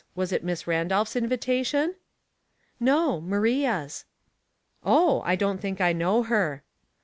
Was it Misn Randolph's invitation ?" "No; Maria's." " Oh, I don't think I know her."